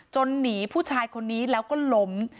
หนีผู้ชายคนนี้แล้วก็ล้ม